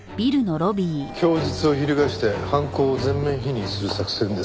供述を翻して犯行を全面否認する作戦ですかね？